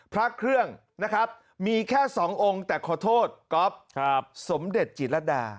พระเครื่องนะครับมีแค่๒องค์แต่ขอโทษก๊อฟสมเด็จจิตรดา